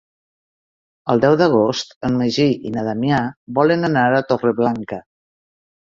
El deu d'agost en Magí i na Damià volen anar a Torreblanca.